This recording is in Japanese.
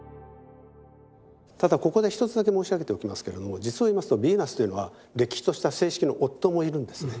ただここで１つだけ申し上げておきますけれども実を言いますとヴィーナスというのはれっきとした正式の夫もいるんですね。